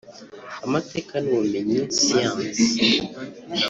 Amateka ni ubumenyi (science)